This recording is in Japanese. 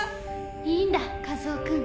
「いいんだカズオ君。